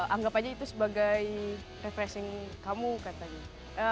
anggap aja itu sebagai refreshing kamu kata dia